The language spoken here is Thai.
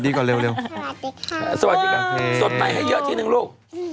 สดไตให้เยอะทีนึงลูก